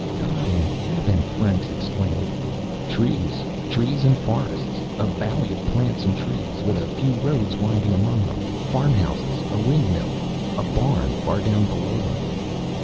"God in heaven!" Franks exclaimed. Trees, trees and forests. A valley of plants and trees, with a few roads winding among them. Farmhouses. A windmill. A barn, far down below them.